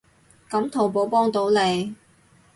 噉淘寶幫到你